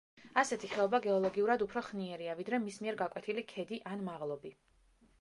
ასეთი ხეობა გეოლოგიურად უფრო ხნიერია, ვიდრე მის მიერ გაკვეთილი ქედი ან მაღლობი.